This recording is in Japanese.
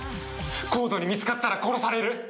「ＣＯＤＥに見つかったら殺される」